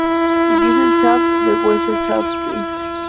Gesellschaft der Wissenschaften".